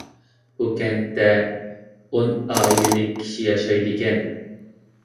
بۇ كەنتتە ئون ئائىلىلىك كىشى ياشايدىكەن.